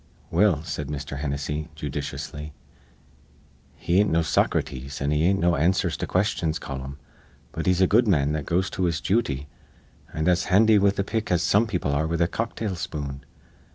"Well," said Mr. Hennessy, judiciously, "he ain't no Soc rates an' he ain't no answers to questions colum; but he's a good man that goes to his jooty, an' as handy with a pick as some people are with a cocktail spoon.